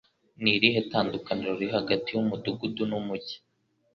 Ni irihe tandukaniro riri hagati y'umudugudu n'umujyi